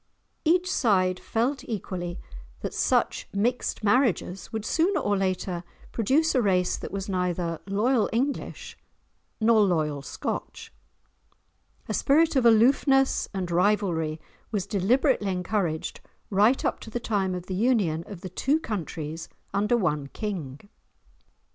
Each side felt equally that such mixed marriages would sooner or later produce a race that was neither loyal English nor loyal Scotch. A spirit of aloofness and rivalry was deliberately encouraged, right up to the time of the union of the two countries under one king.